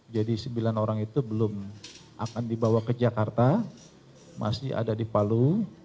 jadi sembilan orang itu belum akan dibawa ke jakarta masih ada di palu